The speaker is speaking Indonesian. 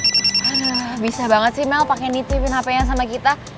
aduh bisa banget sih mel pakai nitipin hpnya sama kita